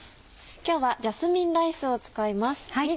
今日はジャスミンライスを使います。